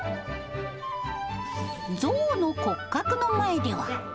ゾウの骨格の前では。